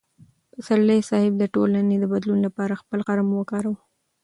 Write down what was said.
پسرلی صاحب د ټولنې د بدلون لپاره خپل قلم وکاراوه.